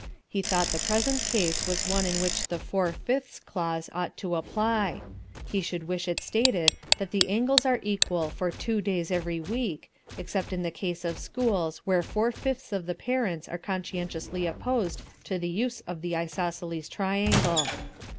He thought the present case was one in which the "four fifths" clause ought to apply: he should wish it stated that the angles are equal for two days every week, except in the case of schools where four fifths of the parents are conscientiously opposed to the use of the isosceles triangle.